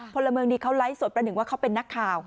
พลเมืองดีเขาไลฟ์สดประหนึ่งว่าเขาเป็นนักข่าว